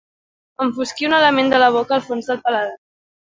Enfosquir un element de la boca al fons del paladar.